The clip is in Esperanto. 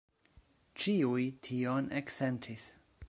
Ĉiuj tion eksentis.